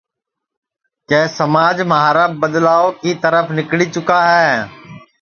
کہ سماج مہارا بدلاو کی ترپھ نِکݪی چُکا ہے